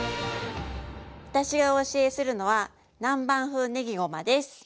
私がお教えするのは南蛮風ねぎごまです。